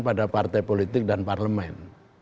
pada partai politik dan parlemen